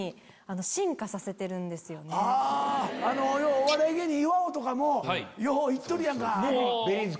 お笑い芸人岩尾とかもよう行っとるやんか。